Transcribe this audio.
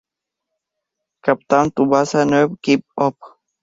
Captain Tsubasa New Kick-Off